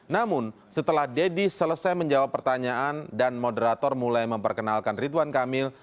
namun setelah deddy selesai menjawab pertanyaan dan moderator mulai memperkenalkan ridwan kamil